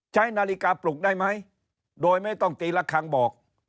ใช้นาฬิกาปลุกได้ไหมโดยไม่ต้องตีละครั้งบอก